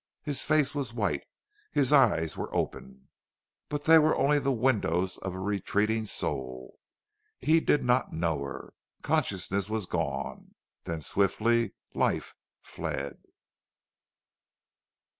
His face was white his eyes were open. But they were only the windows of a retreating soul. He did not know her. Consciousness was gone. Then swiftly life fled.